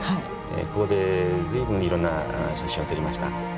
ここで随分いろんな写真を撮りました。